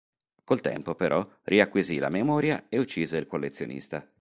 Col tempo però riacquisì la memoria e uccise il Collezionista.